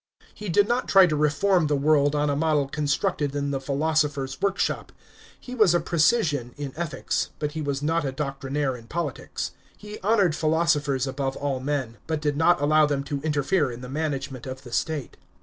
He did not try to reform the world on a 536 PRINCIPATE OF MARCUS AURELIUS. CHAP. xrrm. model constructed in the philosopher's workshop. He was a pre cisian in ethics, but he was not a doctrinaire in politics. He honoured philosophers above all men, but did not allow them to interfere in the management of the state.